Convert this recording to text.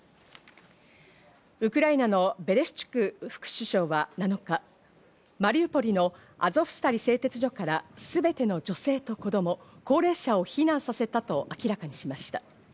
ウクライナのベレシュチュク副首相は７日、マリウポリのアゾフスタリ製鉄所から、すべての女性と子供、高齢者を避難させたと明らかにしました。